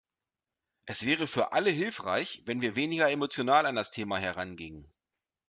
Es wäre für alle hilfreich, wenn wir weniger emotional an das Thema herangingen.